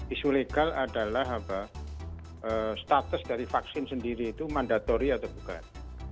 isu legal adalah status dari vaksin sendiri itu mandatori atau bukan